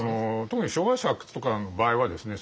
特に「昭和史発掘」とかの場合はですね